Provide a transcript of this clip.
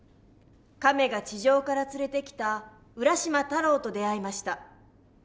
カメが地上から連れてきた浦島太郎と出会いました。